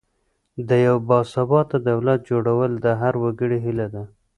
د یو باثباته دولت جوړول د هر وګړي هیله ده.